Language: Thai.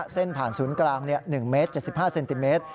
เส้นผ่านศูนย์กลาง๑เมตร๗๕เซนติเมตร